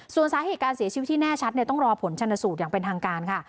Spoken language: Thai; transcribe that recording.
ส่วนสาเหตุการเสียชีวิตที่แน่ชัดต้องรอผลชนสูตรอย่างเป็นทางการค่ะ